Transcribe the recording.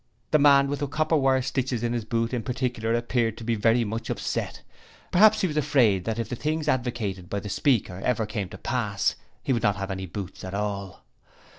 The man with the copper wire stitches in his boot in particular appeared to be very much upset; perhaps he was afraid that if the things advocated by the speaker ever came to pass he would not have any boots at all.